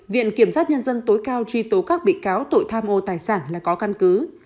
viện kiểm sát nhân dân tối cao truy tố các bị cáo tội tham ô tài sản là có căn cứ